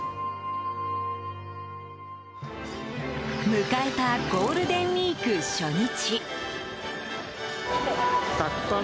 迎えたゴールデンウィーク初日。